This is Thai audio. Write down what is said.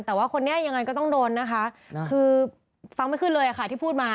แต่ว่าคนนี้ยังไงก็ต้องโดนนะคะคือฟังไม่ขึ้นเลยค่ะที่พูดมา